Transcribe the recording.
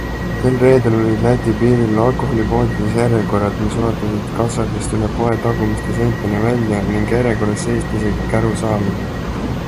Sel reedel olid Läti piiril alkoholipoodides järjekorrad, mis ulatusid kassadest üle poe tagumiste seinteni välja ning järjekorras seisti isegi käru saamiseks.